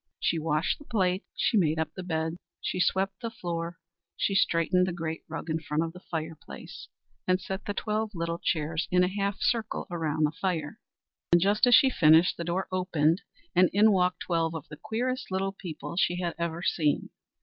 She washed the plates, she made up the beds, she swept the floor, she straightened the great rug in front of the fireplace, and set the twelve little chairs in a half circle around the fire; and, just as she finished, the door opened and in walked twelve of the queerest little people she had ever seen.